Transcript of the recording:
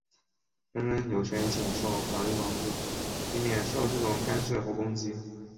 人人有权享受法律保护,以免受这种干涉或攻击。